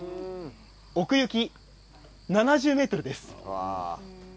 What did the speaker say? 奥行き７０ｍです。